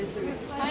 はい。